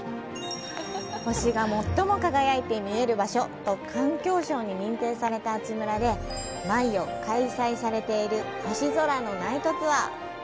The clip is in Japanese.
“星が最も輝いて見える場所”と環境省に認定された阿智村で、毎夜、開催されている星空のナイトツアー。